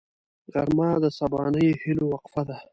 غرمه د سبانۍ هيلو وقفه ده